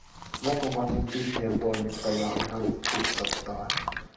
Mokomakin tyhjäntoimittaja - ihan puistattaa.